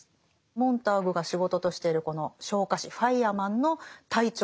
モンターグが仕事としてるこの昇火士ファイアマンの隊長。